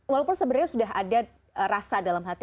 walaupun sebenarnya sudah ada rasa dalam hati